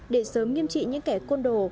để sớm nghiêm trị những kẻ côn đồ